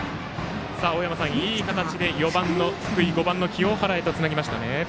青山さん、いい形で４番の福井、５番の清原につなぎましたね。